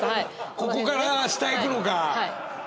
ここから下いくのか。